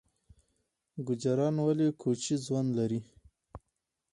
ګوجران ولې کوچي ژوند لري؟